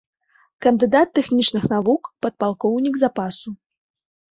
Кандыдат тэхнічных навук, падпалкоўнік запасу.